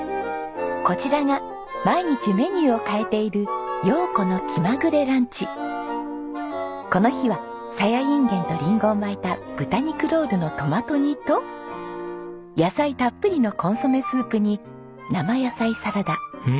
こちらが毎日メニューを変えているこの日はサヤインゲンとリンゴを巻いた豚肉ロールのトマト煮と野菜たっぷりのコンソメスープに生野菜サラダ。